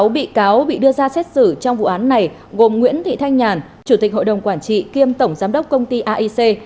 sáu bị cáo bị đưa ra xét xử trong vụ án này gồm nguyễn thị thanh nhàn chủ tịch hội đồng quản trị kiêm tổng giám đốc công ty aic